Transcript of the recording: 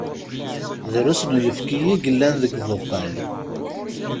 Drusn uyefki i yellan deg ubuqal..